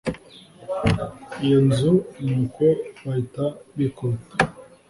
iyo nzu Nuko bahita bikubita